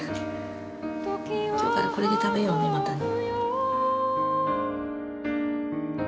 きょうからこれで食べようねまたね。